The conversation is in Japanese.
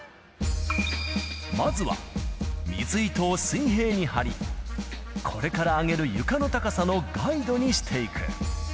まずは水糸を水平に張り、これから上げる床の高さのガイドにしていく。